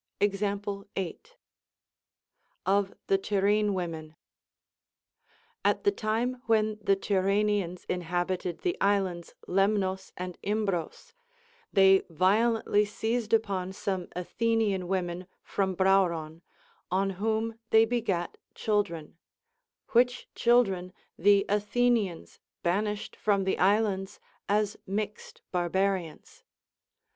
Example 8. Of the Tyrrhene Women. At the time when the Tyrrhenians inhabited the islands Lemnos and Imbros, they violently seized upon some Athe nian \vomen from Brauron, on whom they begat children, Avhich children the Athenians banished from the islands as mixed barbarians.